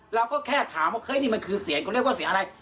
เราก็แค่ถามว่าเฮ้ยนี่มันคือเสียงเขาเรียกว่าเสียงอะไร